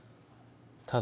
ただ